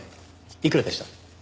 いくらでした？